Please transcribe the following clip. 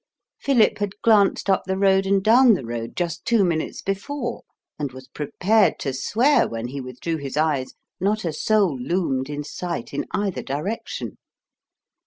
Philip had glanced up the road and down the road just two minutes before, and was prepared to swear when he withdrew his eyes not a soul loomed in sight in either direction.